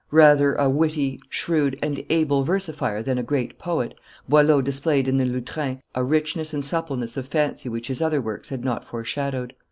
Rather a witty, shrewd, and able versifier than a great poet, Boileau displayed in the Lutrin a richness and suppleness of fancy which his other works had not foreshadowed.